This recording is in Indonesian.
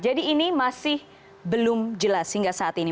jadi ini masih belum jelas hingga saat ini